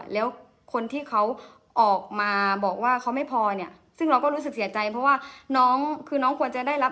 แล้วคนที่เขาออกมาบอกว่าเขาไม่พอเนี่ยซึ่งเราก็รู้สึกเสียใจเพราะว่าน้องคือน้องควรจะได้รับ